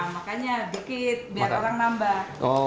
makanya dikit biar orang nambah